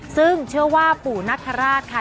ซึ่งเชื่อว่าปู่นคราชค่ะ